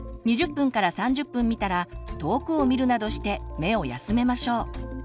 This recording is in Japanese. ２０３０分見たら遠くを見るなどして目を休めましょう。